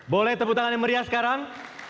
boleh tepuk tangan yang meriah sekarang